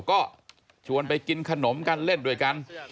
ก็ชวนไปกินขนมกันเล่นด้วยกัน